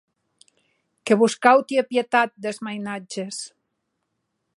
Que vos cau tier pietat des mainatges.